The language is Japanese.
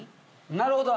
なるほど！